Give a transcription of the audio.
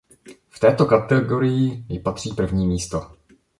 V této kategorii jí patří první místo.